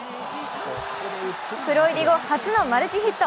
プロ入り後、初のマルチヒット。